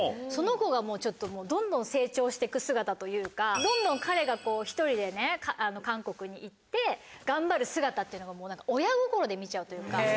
その子がどんどん成長して行く姿というかどんどん彼が１人で韓国に行って頑張る姿っていうのが親心で見ちゃうというか。